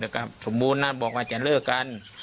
แล้วก็สมบูรณ์นะบอกว่าจะเลิกกัน